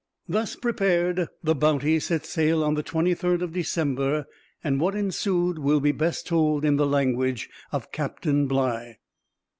Thus prepared, the Bounty set sail on the 23d of December, and what ensued will be best told in the language of Captain Bligh.